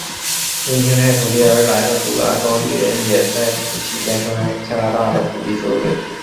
因清拆土地而来的苏格兰高地人也在此期间成为加拿大的土地所有者。